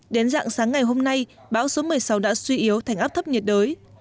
đến dạng sáng ngày hôm nay bão số một mươi sáu đã suy yếu thành áp thấp nhiệt đới